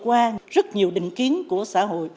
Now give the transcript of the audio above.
qua rất nhiều định kiến của xã hội